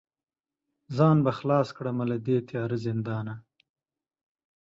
ځان به خلاص کړمه له دې تیاره زندانه